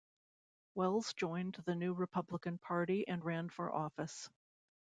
Wells joined the new Republican Party and ran for office.